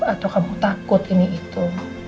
atau kamu takut ini itu